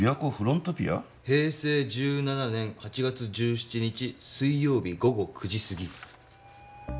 「平成１７年８月１７日水曜日午後９時過ぎ」